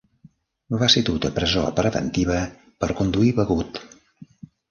Va ser dut a presó preventiva per conduir begut.